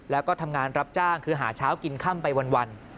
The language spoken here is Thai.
แล้วก็ทำงานรับจ้างคือหาเช้ากินค่ำไปวัน